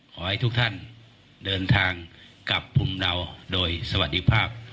ขอให้ทุกท่านเดินทางกลับภูมิเราโดยสวัสดีภาพ